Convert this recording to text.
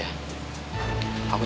aku tunggu di helikopter